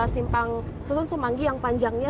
simpang susun semanggi yang panjangnya